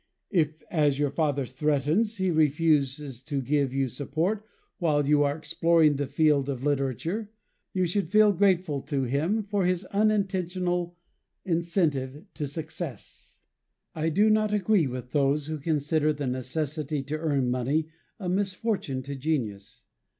If, as your father threatens, he refuses to give you support while you are exploring the field of literature, you should feel grateful to him for this unintentional incentive to success. I do not agree with those who consider the necessity to earn money a misfortune to genius.